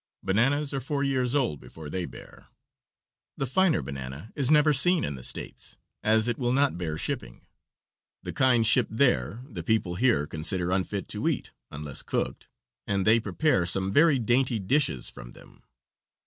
Bananas are four years old before they bear. The finer banana is never seen in the States, as it will not bear shipping. The kind shipped there the people here consider unfit to eat unless cooked, and they prepare some very dainty dishes from them.